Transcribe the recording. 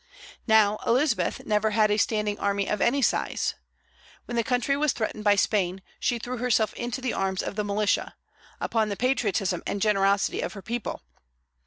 Now, Elizabeth never had a standing army of any size. When the country was threatened by Spain, she threw herself into the arms of the militia, upon the patriotism and generosity of her people.